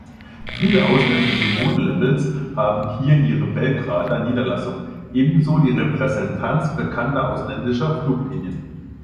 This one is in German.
Viele ausländische Modelabels haben hier ihre Belgrader Niederlassung, ebenso die Repräsentanzen bekannter ausländischer Fluglinien.